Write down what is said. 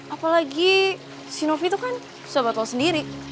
apalagi si novi tuh kan sahabat lo sendiri